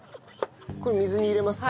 これ水に入れますか？